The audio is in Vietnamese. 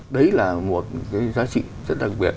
đấy là một cái giá trị rất đặc biệt